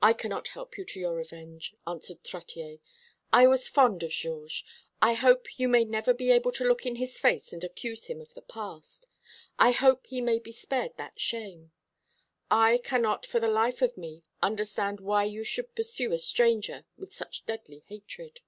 "I cannot help you to your revenge," answered Trottier. "I was fond of Georges. I hope you may never be able to look in his face and accuse him of the past. I hope he may be spared that shame. I cannot for the life of me understand why you should pursue a stranger with such deadly hatred."